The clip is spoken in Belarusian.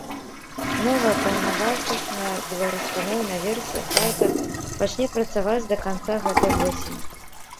Новая паўнавартасная беларускамоўная версія сайта пачне працаваць да канца гэтай восені.